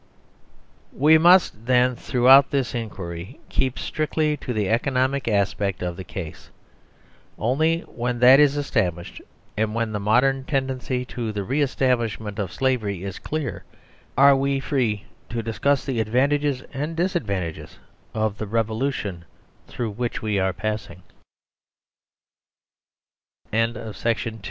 We must then, throughout this inquiry, keep strict ly to the economic aspect of the case. Only when that is established and when the modern tendency 19 THE SERVILE STATE to the re establishment of slavery is clear, are we free to discuss the advantages and disadvantages of the revolution through